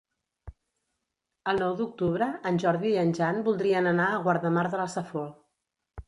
El nou d'octubre en Jordi i en Jan voldrien anar a Guardamar de la Safor.